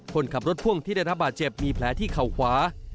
คนขับรถพ่วงที่ได้รับบาดเจ็บมีแผลที่เข่าขวา